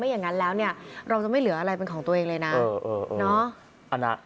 อย่างนั้นแล้วเนี่ยเราจะไม่เหลืออะไรเป็นของตัวเองเลยนะ